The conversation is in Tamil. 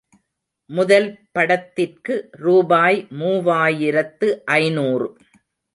முதல் படத்திற்கு ரூபாய் மூவாயிரத்து ஐநூறு.